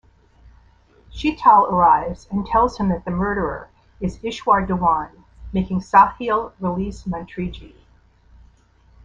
Sheetal arrives and tells him that the murderer, is Ishwar Dewan, making Sahil release Mantriji.